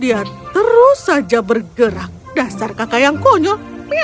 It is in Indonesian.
dia terus saja bergerak dasar kakak yang konyol